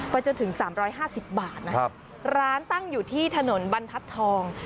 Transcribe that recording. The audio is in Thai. จนถึง๓๕๐บาทนะครับร้านตั้งอยู่ที่ถนนบรรทัศน์ทอง